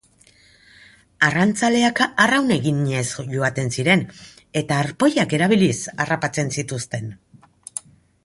Arrantzaleak arraun eginez joaten ziren eta arpoiak erabiliz harrapatzen zituzten.